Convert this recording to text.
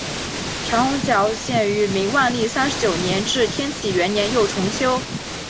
长虹桥建于明万历三十九年至天启元年又重修。